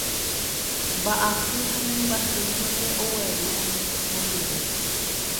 Mba'asy ha ñembyahýi mante ogueru ondive.